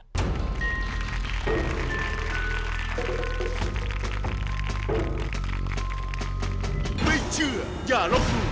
สวัสดีครับ